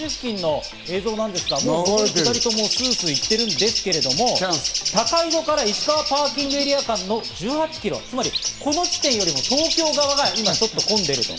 八王子付近の映像なんですが、上り下りともスス行ってますけど、高井戸から石川パーキングエリア間の１８キロ、つまりこの地点よりも東京側が今、ちょっと混んでると。